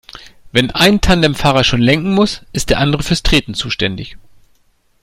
Wenn ein Tandemfahrer schon lenken muss, ist der andere fürs Treten zuständig.